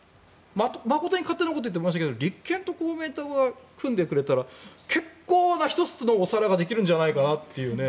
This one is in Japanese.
誠に勝手なことを言って申し訳ないけど立憲と公明党が組んでくれたら結構な１つのお皿ができるんじゃないかなというね。